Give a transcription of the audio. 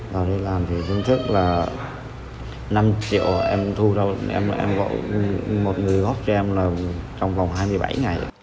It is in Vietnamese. rồi làm thì chứng thức là năm triệu em thu ra em gọi một người góp cho em là trong vòng hai mươi bảy ngày